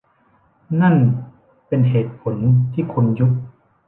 นั่นเป็นเหตุผลที่คุณยุบ